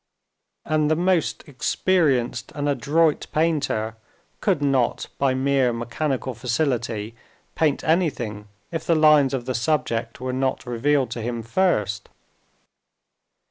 And the most experienced and adroit painter could not by mere mechanical facility paint anything if the lines of the subject were not revealed to him first.